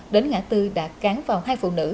đến ngã tư đã cán vào hai phụ nữ